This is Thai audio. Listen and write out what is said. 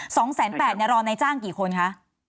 ๒แสน๘รอในจ้างกี่คนคะ